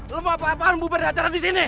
lo bapak apaan buber di acara disini